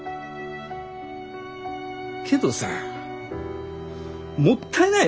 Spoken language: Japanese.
けどさもったいないよね。